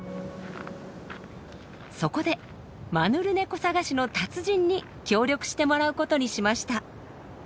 そこでマヌルネコ探しの達人に協力してもらうことにしました。